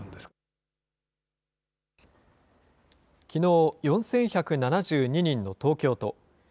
きのう、４１７２人の東京都。